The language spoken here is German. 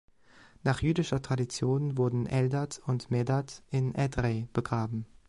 Nach jüdischer Tradition wurden Eldad und Medad in Edrei begraben.